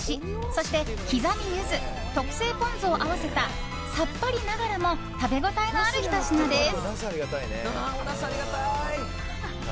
そして、刻みユズ特製ポン酢を合わせたさっぱりながらも食べ応えのあるひと品です。